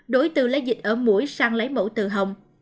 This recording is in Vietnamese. đối từ lấy dịch ở mũi sang lấy mẫu từ hồng